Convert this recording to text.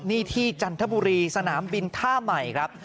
นี่ที่จันทบุรีสนามบินท่าใหม่ครับ